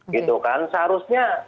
gitu kan seharusnya